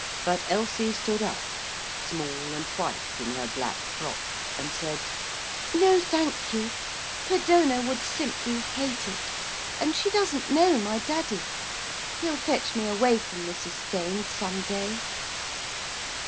But Elsie stood up, small and white in her black frock, and said, 'No thank you. Perdona would simply hate it. And she doesn't know my daddy. He'll fetch me away from Mrs. Staines some day....'